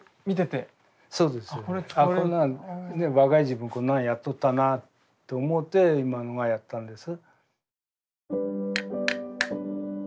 若い時分こんなんやっとったなぁと思って今のがやったんです。